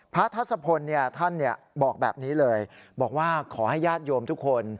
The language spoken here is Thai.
ทัศพลท่านบอกแบบนี้เลยบอกว่าขอให้ญาติโยมทุกคน